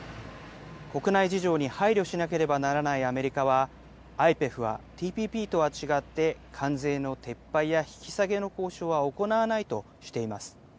国内事情に配慮しなければならないアメリカは、ＩＰＥＦはＴＰＰとは違って関税の撤廃や引き下げの交渉は行わないとしています。